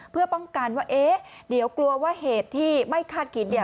เพื่อป้องกันว่าเอ๊ะเดี๋ยวกลัวว่าเหตุที่ไม่คาดคิดเนี่ย